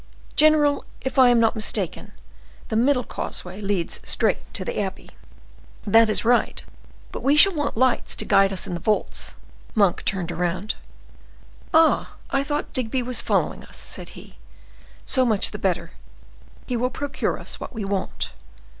"General, if I am not mistaken, the middle causeway leads straight to the abbey." "That is right; but we shall want lights to guide us in the vaults." Monk turned round. "Ah! I thought Digby was following us!" said he. "So much the better; he will procure us what we want."